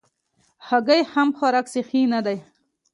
هګۍ خام خوراک صحي نه ده.